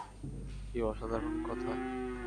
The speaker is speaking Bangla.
কী অসাধারণ কথা!